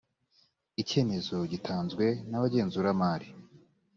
icyemezo gitanzwe n’abagenzuramari